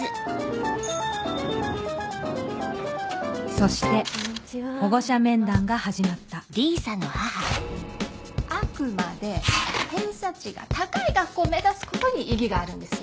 そして保護者面談が始まったあくまで偏差値が高い学校を目指すことに意義があるんです。